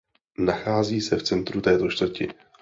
Nachází se v centru této čtvrti.